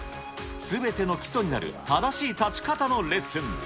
すべての基礎になる正しい立ち方のレッスン。